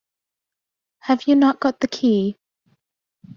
Have you not got the key?